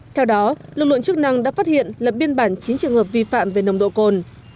theo đó lực lượng chức năng đã phát hiện lập biên bản chín trường hợp vi phạm về nồng độ cồn